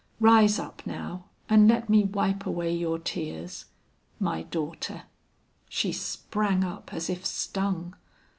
Rise up now and let me wipe away your tears my daughter." She sprang up as if stung.